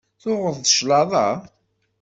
Tuɣeḍ-d claḍa?